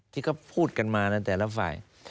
ที่เขาพูดกันมาในแต่ละฝ่าย